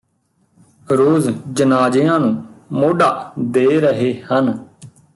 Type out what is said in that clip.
ਰੋਜ਼ ਜਨਾਜਿਆਂ ਨੂੰ ਮੋਢਾ ਦੇ ਰਹੇ ਹਨ